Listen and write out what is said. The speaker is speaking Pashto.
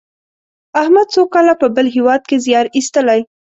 احمد څو کاله په بل هېواد کې زیار ایستلی.